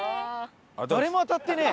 誰も当たってねえ！